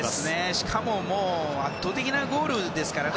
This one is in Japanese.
しかも圧倒的なゴールですからね。